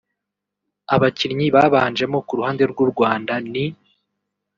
Abakinnyi babanjemo ku ruhande rw’u Rwanda ni